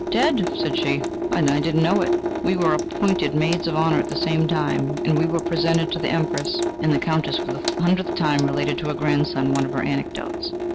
"Dead!" said she; "and I did not know it. We were appointed maids of honour at the same time, and when we were presented to the Empress..." And the Countess for the hundredth time related to her grandson one of her anecdotes.